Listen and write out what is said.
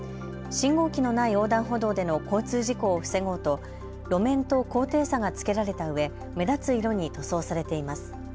信号機のない横断歩道での交通事故を防ごうと路面と高低差がつけられたうえ目立つ色に塗装されています。